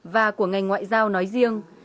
và của ngành ngoại giao nói riêng